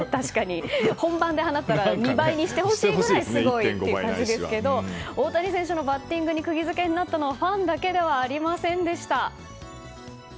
本番で放ったら２倍にしてほしいぐらいすごいですけど大谷選手のバッティングにくぎづけになったのはファンだけではありませんでした。